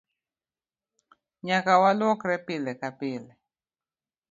Nyaka walwokre pile ka pile.